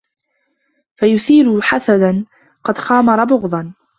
فَيُثِيرُ حَسَدًا قَدْ خَامَرَ بُغْضًا